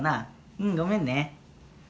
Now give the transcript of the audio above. うんごめんね。